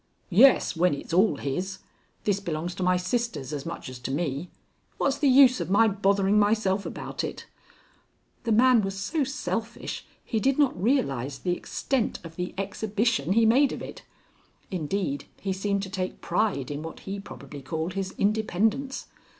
"Yes, when it's all his. This belongs to my sisters as much as to me. What's the use of my bothering myself about it?" The man was so selfish he did not realize the extent of the exhibition he made of it. Indeed he seemed to take pride in what he probably called his independence.